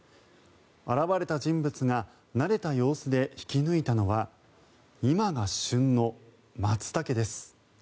現れた人物が慣れた様子で引き抜いたのは今が旬のマツタケです。